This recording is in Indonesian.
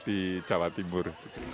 di jawa timur